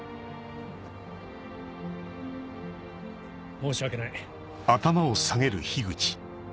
申し訳ない。